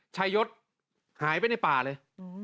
ชายศหายไปในป่าเลย